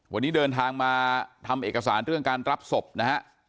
วันนี้เดินทางมาทำเอกสารเรื่องการรับศพนะฮะ